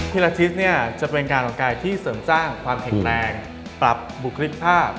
ทีละทิศเนี่ยจะเป็นการออกกายที่เสริมสร้างความแข็งแรงปรับบุคลิกภาพ